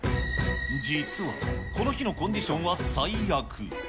実は、この日のコンディションは最悪。